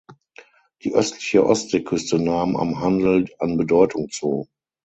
Die östliche Ostseeküste nahm am Handel an Bedeutung zu.